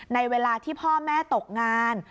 ในเวลาที่พ่อแม่ตกงาน